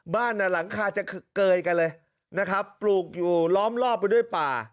บ้านหลังคาจะเกยกันเลยนะครับปลูกอยู่ล้อมรอบไปด้วยป่า